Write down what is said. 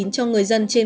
cho người dân trên mạng